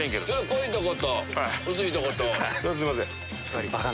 濃いとこと薄いとこと。